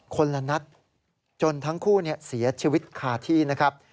คนละนัดจนทั้งคู่เสียชีวิตคาที่นะครับ